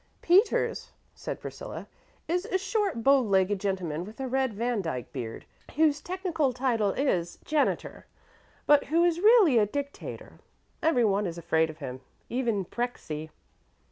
"Peters," said Priscilla, "is a short, bow legged gentleman with a red Vandyke beard, whose technical title is janitor, but who is really dictator. Every one is afraid of him even Prexy."